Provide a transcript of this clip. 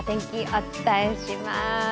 お伝えします。